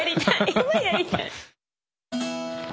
今やりたい。